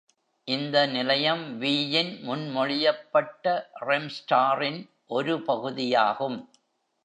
இந்த நிலையம் V-ன் முன்மொழியப்பட்ட Remstar-ன் ஒரு பகுதியாகும்.